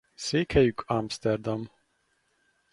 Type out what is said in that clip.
Székhelyük Amszterdam.